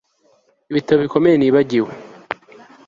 ibitabo bikomeye nibagiwe